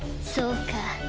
そうか。